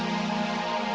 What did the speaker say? nggak mau dengar